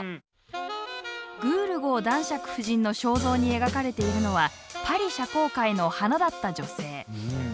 「グールゴー男爵夫人の肖像」に描かれているのはパリ社交界の華だった女性。